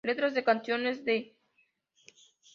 Letras de canciones de Fabienne Gómez.